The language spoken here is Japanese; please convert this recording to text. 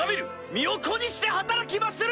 身を粉にして働きまする！